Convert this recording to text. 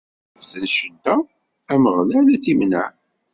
Di lweqt n ccedda, Ameɣlal ad t-imneɛ.